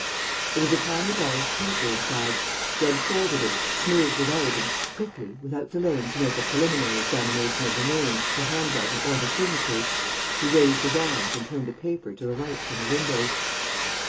There was a tiny ball of paper inside. He unfolded it, smoothed it out and, quickly, without delaying to make a preliminary examination of the names, the hand writing or the signatures, he raised his arms and turned the paper to the light from the windows.